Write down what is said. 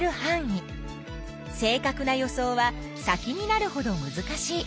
正かくな予想は先になるほどむずかしい。